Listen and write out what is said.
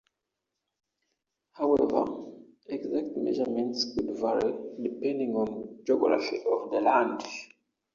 However, exact measurements could vary depending on geography of the land.